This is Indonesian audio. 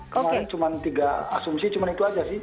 kemarin cuma tiga asumsi cuma itu aja sih